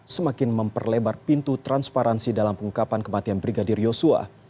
semakin memperlebar pintu transparansi dalam pengungkapan kematian brigadir yosua